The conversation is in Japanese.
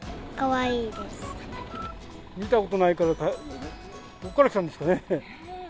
見たことないから、どこから来たんですかね。